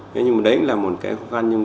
thế nhưng mà đấy là một cái khó khăn